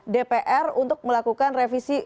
dpr untuk melakukan revisi